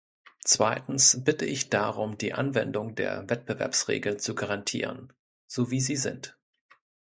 Zweitens bitte ich darum, die Anwendung der Wettbewerbsregeln zu garantieren, so wie sie sind.